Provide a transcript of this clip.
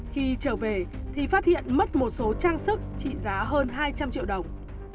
khi trở về thì phát hiện mất một số trang sức trị giá hơn hai trăm linh triệu đồng